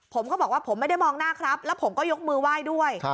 ผมก็บอกว่าผมไม่ได้มองหน้าครับแล้วผมก็ยกมือไหว้ด้วย